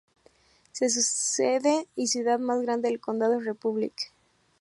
Su sede y ciudad más grande del condado es Republic.